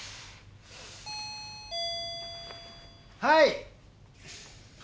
はい？